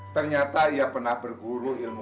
ternyata ia pernah berguru ilmu